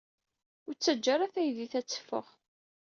Ur ttaǧǧa ara taydit ad teffeɣ.